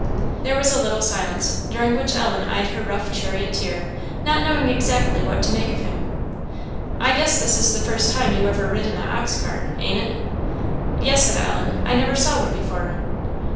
There was a little silence, during which Ellen eyed her rough charioteer, not knowing exactly what to make of him. "I guess this is the first time you ever rid in an ox cart, ain't it?" "Yes," said Ellen; "I never saw one before."